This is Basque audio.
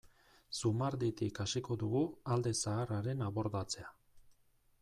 Zumarditik hasiko dugu alde zaharraren abordatzea.